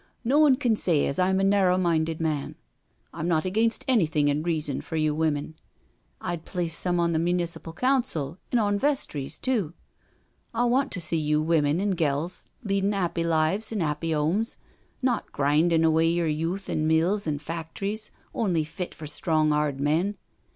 " No one can say as I'm a narrer minded man. I'm not against anything in reason for you women. I'd place some on the Municipal Council, and on vestries, too. I want to see you women and gels leadin' 'appy lives in 'appy 'omes, not grindin' away yer youth in mills and factries only fit for strong, 'ard men.